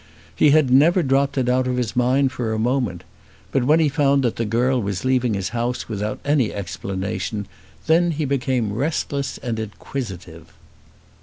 He had never dropped it out of his mind for a moment. But when he found that the girl was leaving his house without any explanation, then he became restless and inquisitive.